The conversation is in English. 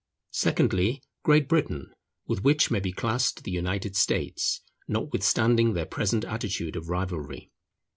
Secondly, Great Britain, with which may be classed the United States, notwithstanding their present attitude of rivalry.